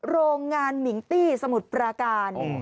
โรงงานมิงตี้สมุทรปราการ